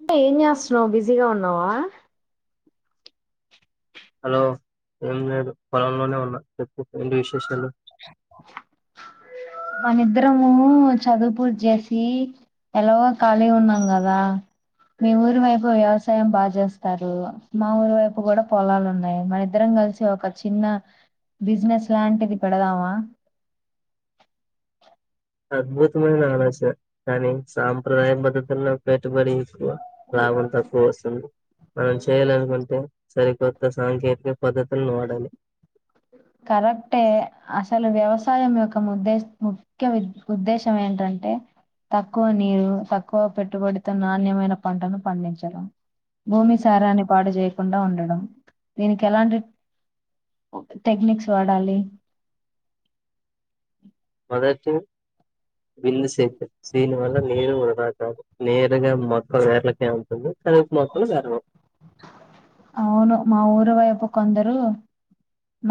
అంటే ఏం చేస్తున్నవు బిజీగా ఉన్నావ హలో ఏం లేదు పొలంలోనే ఉన్నా చెప్ప ఏంది విశేషాలు మనిద్దరము చదువు పూజ చేసి ఎలాగో ఖాళీ ఉన్నాం కదా మీ ఊరివైపు వ్యవసా వ్యవసయం బాగ చేస్తారు మా ఊరి వైపు కూడా పొలాలు ఉన్నాయి మన ఇద్దరం కలిసి ఒక చిన్న బిజినెస్ లాంటిది పెడదామ అద్భుతమైన [unintelligible] కానీ సాంప్రదాయ పద్ధతుల్లో పెట్టుబడి లాభం తక్కువ వస్తుంది మనం చేయాలనుకుంటే సరికొత్త సాంకేతిక పద్ధతులు వాడాలి కరెక్టే అసలు వ్యవసాయం యొక్క ముద్దేశ ముఖ్య ఉద్దేశం ఏంటంటే తక్కువ నీరు తక్కువ పెట్టుబడితో నాణ్యమైన పంటను పండించడం భూమి సారాన్ని పాడు చేయకుండా ఉండడం దీనికి ఎలాంటి టెక్నిక్స్ వాడాలి మొదటి బిల్లు సేతురు దీని వల్ల [unintelligible] నేరు ఒకదాట్దు నేరుగా మొత్తం వేర్లకే ఉంటుంది కలిపి మొత్తం చేరడం అవును మా ఊరు వైపు కొందరు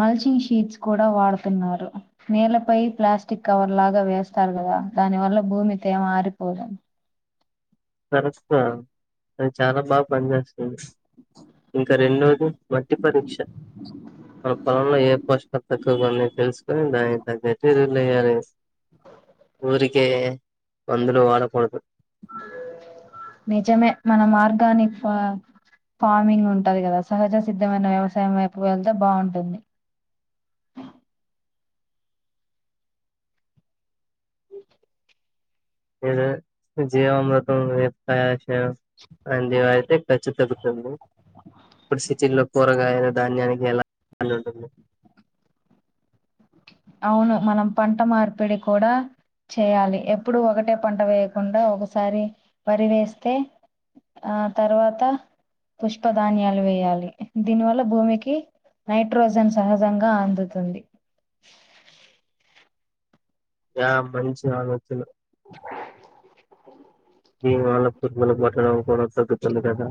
మల్షింగ్ షీట్స్ కూడా వాడుతున్నారు నేలపై ప్లాస్టిక్ కవర్ లాగా వేస్తారు కదా దాని వల్ల భూమి తేమ ఆరిపోదు కరెక్టే తను చాలా బాగా పని చేేస్తుంది ఇంక రెండోది మట్టి పరీక్ష మన పొలంలో ఏ పోషకలు తక్కువ గా ఉన్నాయో తెలుసుకొని దానికి తగ్గట్టు సరిల యారు [unintelligible] ఊరికే వందులు వాడ పోడదు నిజమే మనం ఆర్గానిక్ ఫార్మింగ్ ఉంటది కదా సహజ సిద్ధమైన వ్యవసాయం వైపు వెళ్తే బావుంటుంది జీవామృతం అంటివి అయితే ఖర్చు తగ్గుతుంది ఇప్పుడు సిటీ లో కూరగాయల ధాన్యానికి ఎలా ఉంటుంది అవును మనం పంట మార్పిడి కూడా చేయాలి ఎప్పుడు ఒకటే పంట వేయకుండా ఒకసారి వరి వేస్తే ఆ తర్వాత పుష్పధాన్యాలు వేయాలి దీనివల్ల భూమికి నైట్రోజన్ సహజంగా అందుతుంది యా మంచి ఆలోచన ఈ వాళ్ళ కుటుంబాలకు కొట్టడం కూడా తగ్గుతుంది కదా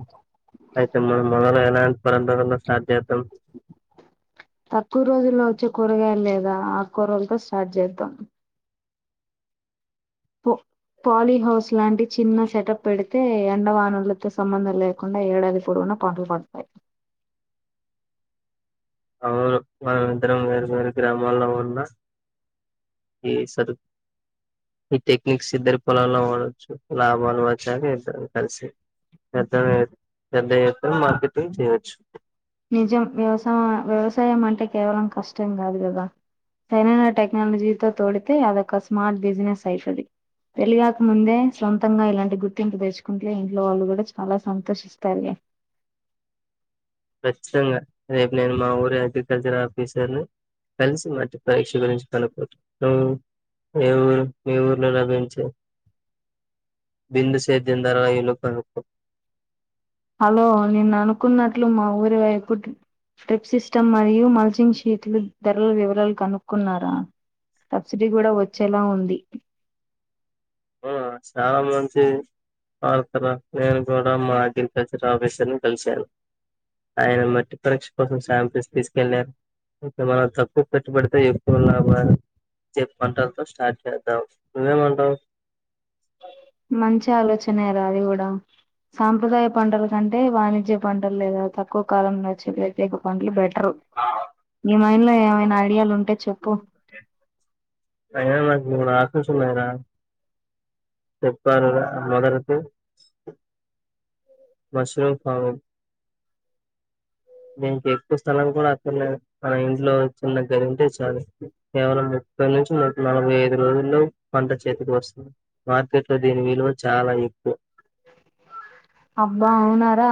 అయితే మన మనలో ఎలాంటి పరంతన్న సాధ్యతం [unintelligible] తక్కువ రోజుల్లో వచ్చే కూరగాయలు లేదా ఆకు కూరలతో స్టార్ట్ చేద్దాం పో పాలీహౌస్ లాంటి చిన్న సెటప్ పెడితే ఎండ వానలతో సంబంధం లే కుండా ఏడాది పోడవున పంటలు పండుతాయి అవును మనం ఇద్దరం వేరు వేరు గ్రామాల్లో ఉన్న ఏ సరు ఈ టెక్నిక్స్ ఇద్దరి పొలాలలో వాడొచ్చు లాభాలు వచ్చాక ఇద్దరం కలిసి పెద్ధవె పెద్ద ఎత్తున మార్కెటింగ్ చేయవచ్చు నిజం వ్యవసాయం వ్యవసాయం అంటే కేవలం కష్టం కాదు కదా సైరైన టెక్నాలజీతో తోడితే అదొక స్మాల్ బిజినెస్ అయితది పేళ్ళి కాకముందే సొంతంగా ఇలాంటి గుర్తింపు తెచ్చుకుంటే ఇంట్లో వాళ్ళు కూడా చాలా సంతోషం ఇస్తారు గా ఖచ్చితంగా రేపు నేను మా ఊరు అగ్రికల్చర్ ఆఫీసర్ ని కలిసి మట్టి పరీక్ష గురించి కనుక్కుంటాను ఏ ఊరు మీ ఊర్లో లభించే బిందు సేద్యం ధర కనుక్కో హలో నేను అనుకున్నట్లు మా ఊరి వైపు టెక్ సిస్టమ్ మరియు మల్చింగ్ షీట్లు ధరల వివరాలు కనుక్కున్నారా సబ్సిడీ కూడా వచ్చేలా ఉంది ఆ చాన మంచి ఆర్తరా నేను కూడా మా [unintelligible] కల్సాను. ఆయన మట్టి పరీక్ష కోసం సాంపిల్స్ తీసుకెళ్లా ఇతే మన తక్కువ కట్టి పెడితే ఎక్కువ లాభాలు [unintelligible] స్టార్ట్ చేద్దాం. నువ్వేమంటావ్? మంచి ఆలోచనేరా అది కూడా సాంప్రదాయ పంటల కంటే వాణిజ్య పంటలు లేదా, తక్కువ కాలంలో వచ్చే ప్రత్యేక పంటలు బెట్ ట్రూ నీ మైండ్ లో ఏమైనా ఐడియాలు ఉంటే చెప్పు. అయినా నాకు మూడు [inaudible] మొదరకు మష్రూ కావు దీనికి ఎక్కువ స్థలం కూడా అక్కర్లేదు, మన ఇంట్లో చిన్న గది ఉంటే చాలు. కేవలం ముప్పై నుంచి నూట నలభై ఐదు రోజుల్లో పంట చేతికి వస్తుంది. మార్కెట్ లో దీని విలువ చాలా ఎక్కువ అబ్బా అవునా రా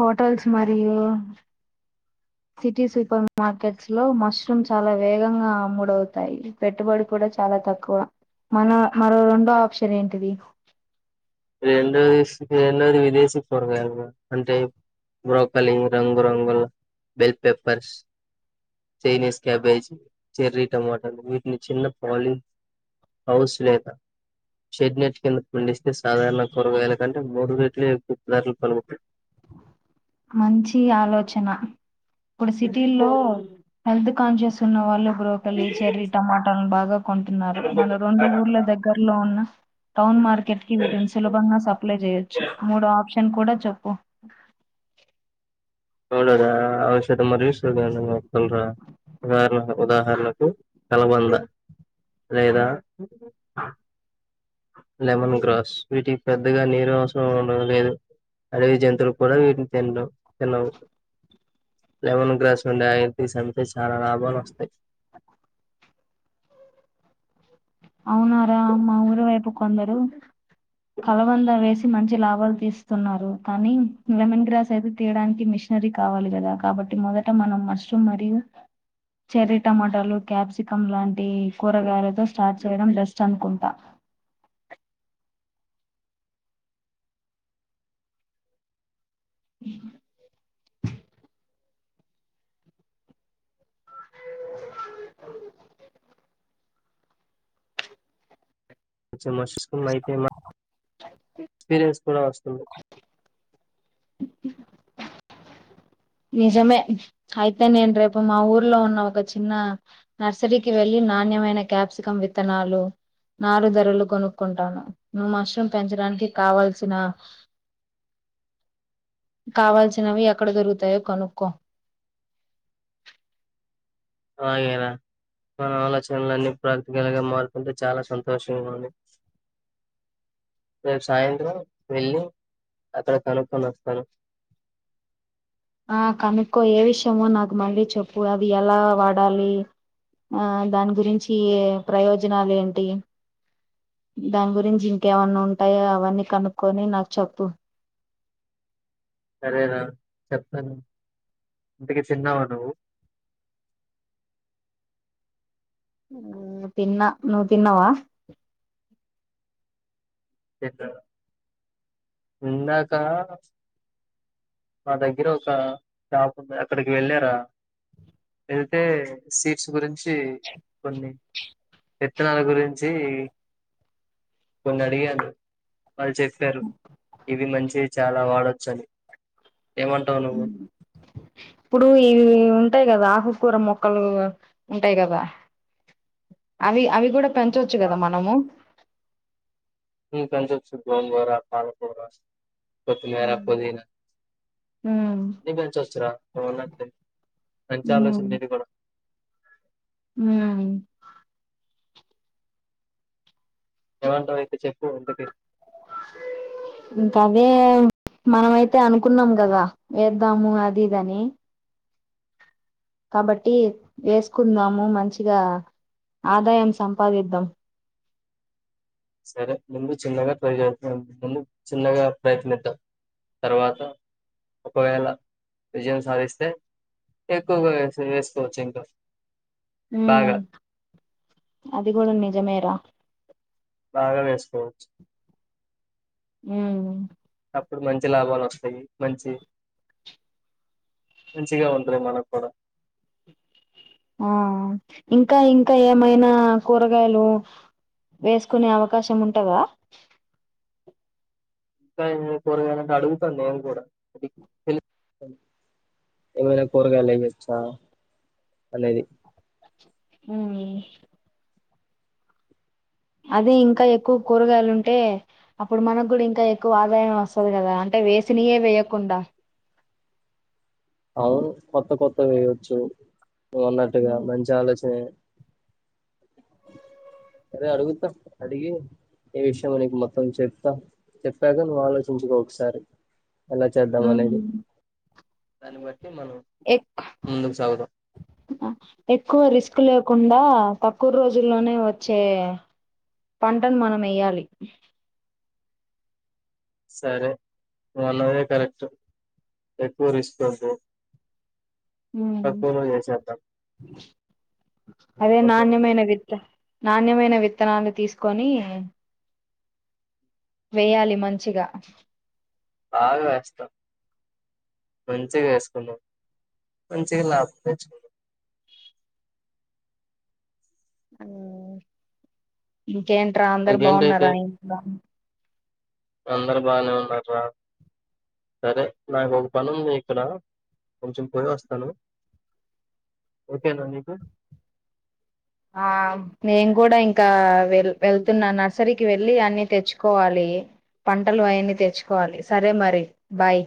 హోటల్స్ మరియు సిటీ సూపర్ మార్కెట్స్ లో మష్రూమ్ చాలా వేగంగా అమ్ముడవుతాయి. పెట్టుబడి కూడా చాలా తక్కువ. మన మరో రెండో ఆప్షన్ ఏంటిది? రెండోది స్ రెండోది విదేశీ కూరగాయలు అంటే బ్రోకలి రంగు రంగుల bell peppers Chinese cabbage cherry టమాటాలు వీటిని చిన్న పాలి హౌస్ లేద షెడ్ నెట్ కింద పండిస్తే స్ సాధారణ కూరగాయల కంటే మూడు రెట్లు ఎక్కువ ధరలు పలుకుతయి. మంచి ఆలోచన, ఇప్పుడు సిటీల్లో హెల్త్ కాన్షియస్ ఉన్న వాళ్ళు, బ్రోకలి చెర్రీ టమాటాల్ను బాగా కొంటున్నారు. మన రెండు ఊర్ల దగ్ గర్లో ఉన్న టౌన్ మార్కెట్ కి వీటిని సులభంగా సప్లై చేయ్ చు మూడో ఆప్షన్ కూడా చెప్పు అవునురా ఔషధ మరియు [unintelligible] మొక్కలు ర ఉద ఉదాహరణకు కలబంద లేదా లెమన్ గ్రాస్ వీటికి పెద్దగా నీరు అవసరం ఉండ లేదు అలావి జంతువులు కూడా విట్నీ తిందు తినవు. లెమన్ గ్రాస్ల ఉండే అవి తీసి అమ్మితే చాలా లాభాలొస్తాయి అవునారా మా ఊరి వైపు కొందరు కలబంద వేసి మంచి లాభాలు తీస్ తున్నరు కానీ లెమన్ గ్రాస్ అయితే తీయడానికి మిషనరీ కావాలి కదా కాబట్టి మొదట మనం మష్రూమ్ మరియు చెర్రీ టమాటాలు క్యాప్సికం లాంటి కూరగాయలతో స్టార్ట్ చేయడం బెస్ట్ అనుకుంటా కొంచం మష్ కు మైతే మా చ తీ పీరియన్స్ కూడా వస్తుంది నిజమే అయితే నేను రేపు మా ఊర్లో ఉన్న ఒక చిన్న నర్సరీకి వెళ్ళి నాణ్యమైన క్యాప్సికం విత్తనాలు నారు ధరలు కొనుక్కుంటాను. నువ్ మష్రూమ్ పెంచడానికి కావల్సిన కావాల్సినవి ఎక్కడ దొరుకుతాయో కనుక్కో అకే రా మన ఆలోచనలన్నీ ప్రాక్టికల్‌గా మారుతుంటే చాలా సంతోషంగా ఉంది రేపు సాయంత్రం వెళ్ళి అక్కడ కనుక్కొని వస్తాను ఆ కనుక్కో ఏ విషయమో నాకు మళ్ళీ చెప్పు అది ఎలా వాడాలి ఆ దాని గురించి ప్రయోజనాలు ఏంటి దాని గురించి ఇంకేమన్నా ఉంటాయో అవన్నీ కనుక్కొని నాకు చెప్పు సరే రా చెప్తాను ఇంతికి తిన్నావా నువ్వు ఉమ్మ్ తిన్న నువ్వు తిన్నవా ఎక్కడ ఇందాక మా దగ్గర ఒక షాప్ ఉంది అక్కడికి వెళ్ళారా ఎళ్తే సీట్స్ గురించి కొన్ని విత్తనాల గురించి కొన్ని అడిగాను వాళ్ళు చె ప్పారు ఇది మంచిది చాలా వాడొచ్చు అని ఏమంటావు నువ్వు ఇప్పుడు ఇవి ఉంటాయి కదా ఆకుకూర మొక్కలు ఉంటాయి కదా అవి అవి కూడా పెంచొచ్చు కదా మనము ఉమ్మ్ పెంచొచ్చు గోంగూర పాలకూర కొత్తిమీర పుదీనా ఉమ్మ్ అన్ని పెంచొచ్చు రా నాకు తెలిసి మంచి ఆలోచన నీది కూడా ఉమ్మ్ ఏమంటావ్ అయితే చెప్పు ఇంకోటి ఇంకాదే మనమైతే అనుకున్నాం కదా వేద్దాము అది ఇదని కాబట్టి వేసుకుందాము మంచిగా ఆదాయం సంపాదిద్దాం సరే ముందు చిన్నగా పెరిగే ముందు చిన్నగా ప్రయత్నిద్దాం తర్వాత ఒకవేళా విజయం సాధిస్తే ఎక్కువగా వే ఏసుకోవచ్చు ఇంకా ఉమ్ బాగా అది కూడా నిజమేరా బాగా వేసుకోవచ్చు ఉమ్మ్ అప్పుడు మంచి లాభాలు వస్తాయి మంచి మంచిగా ఉంటది మనకు కూడా ఆ ఇంకా ఇంకా ఏమైనా కూరగాయలు వేసుకునే అవకాశం ఉంటందా ఇంకా ఏం కూరగాయలంటే అడుగుతాను నేను కూడా అది తెలు ఏమైనా కూరగాయలు ఎయ్యొచ్చా అనేది ఉమ్మ్ అదే ఇంకా ఎక్కువ కూరగాయలుంటే అప్పుడు మనకూడా ఇంకా ఎక్కువ ఆదాయం వస్తాది కదా అంటే వేసినయే వేయకుండా అవును కొత్త కొత్తగా వేయచ్చు నువ్వు అన్నట్టుగా ఉమ్ మంచి ఆలోచనే అదే అడుగుతా అడిగి ఏ విషయమో నీకు మొత్తం చెప్తా చెప్పాక నువ్వు ఆలోచించుకో ఒకసారి ఎలా చేద్దాం అనేది దాన్ని బట్టి మనం ఎ ముందుకు సాగుదాం. ఎక్కువ రిస్క్ లేకుండా తక్కువ రోజుల్లోనే వచ్చే పంటను మనం ఏయ్యాలి సరే నువ్వన్నవే కరెక్ట్ ఎక్కువ రిస్కొద్దు ఉమ్ చేసేద్దాం అదే ఓకేనా. నాణ్యమైన విత్త నాణ్యమైన విత్తనాలు తీసుకొని వెయ్యాలి మంచిగా బాగా వస్తా మంచిగా వేసుకున్నాం మంచిగా లాభ [unintelligible] ఆ ఇంకేంట్రా అందరూ ఇంకేంటైతే బావున్నారా ఇంట్లో అందరూ బానే ఉన్నారు రా సరే నాకు ఒక పని ఉంది ఇక్కడ కొంచెం పోయ్యొస్తాను ఓకేనా నీకు ఆ నేను కూడా ఇంకా వెల్ వెళ్తున్నా నర్సరీకి వెళ్ళి అన్నీ తెచ్చుకోవాలి పంటలు అయన్నీ తెచ్చుకోవాలి సరే మరి బాయ్